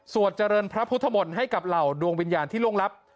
เจริญพระพุทธมนตร์ให้กับเหล่าดวงวิญญาณที่ล่วงลับ